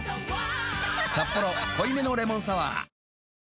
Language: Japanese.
「サッポロ濃いめのレモンサワー」